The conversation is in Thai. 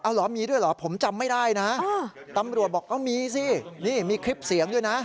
เหรอมีด้วยเหรอผมจำไม่ได้นะตำรวจบอกก็มีสินี่มีคลิปเสียงด้วยนะ